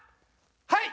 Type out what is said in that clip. はい！